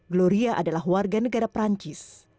gloria adalah warganegara prancis